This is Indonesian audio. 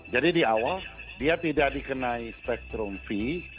jadi di awal dia tidak dikenai spektrum fee